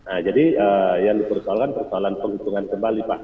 nah jadi yang dipersoalkan persoalan penghitungan kembali pak